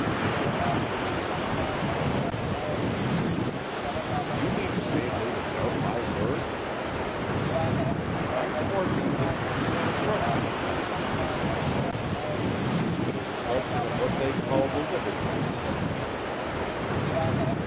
"Damn the Commissioners," suddenly broke out his Grace. "Do you mean to say they would doubt my word?" "Unfortunately, it is not a question of that," said Simms. "It is a question of what they call the liberty of the subject."